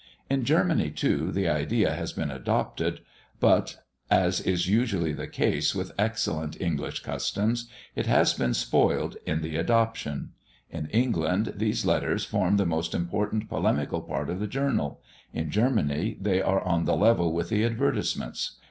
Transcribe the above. In Germany, too, the idea has been adopted, but, as is usually the case with excellent English customs, it has been spoiled in the adoption. In England these letters form the most important polemical part of the journal; in Germany they are on the level with the advertisements.